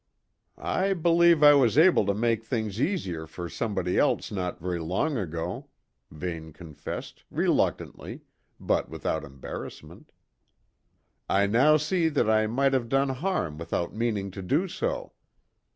"I believe I was able to make things easier for somebody else not very long ago," Vane confessed, reluctantly, but without embarrassment. "I now see that I might have done harm without meaning to do so.